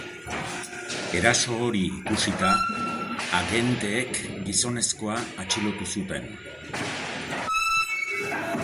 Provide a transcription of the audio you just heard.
Eraso hori ikusita, agenteek gizonezkoa atxilotu zuten.